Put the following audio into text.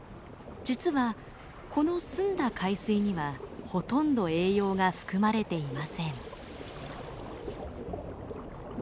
実はこの澄んだ海水にはほとんど栄養が含まれていません。